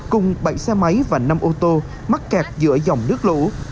cùng bảy xe máy và năm ô tô mắc kẹt giữa dòng nước lũ